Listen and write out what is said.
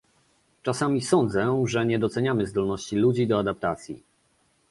Czasami sądzę, że nie doceniamy zdolności ludzi do adaptacji